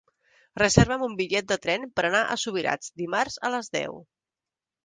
Reserva'm un bitllet de tren per anar a Subirats dimarts a les deu.